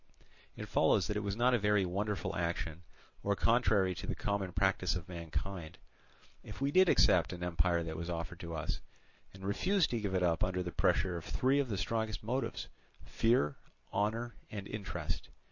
It follows that it was not a very wonderful action, or contrary to the common practice of mankind, if we did accept an empire that was offered to us, and refused to give it up under the pressure of three of the strongest motives, fear, honour, and interest.